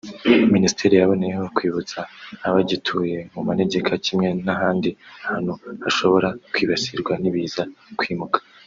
Minisiteri yaboneyeho kwibutsa abagituye mu manegeka kimwe n’ahandi hantu hashobora kwibasirwa n’ibiza kwimuka